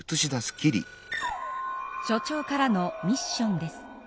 所長からのミッションです。